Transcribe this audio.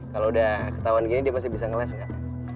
kalau udah ketahuan gini dia masih bisa ngeles nggak